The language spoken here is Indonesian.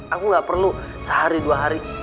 aku gak perlu sehari dua hari